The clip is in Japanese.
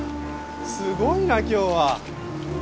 すごいな今日は。